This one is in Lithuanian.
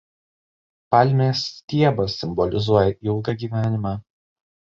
Palmės stiebas simbolizuoja ilgą gyvenimą.